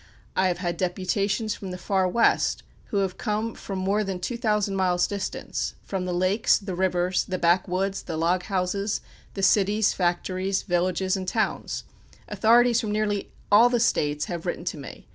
I have had deputations from the Far West, who have come from more than two thousand miles' distance; from the lakes, the rivers, the backwoods, the log houses, the cities, factories, villages, and towns. Authorities from nearly all the states have written to me.